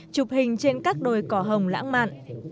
chụp hình trên các đồi cỏ hồng lãng mạn